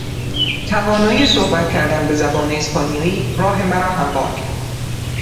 توانایی صحبت کردن به زبان اسپانیایی راه مرا هموار کرد.